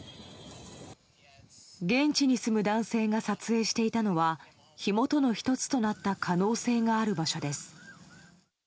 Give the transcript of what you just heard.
現地に住む男性が撮影していたのは火元の１つとなった可能性がある場所です。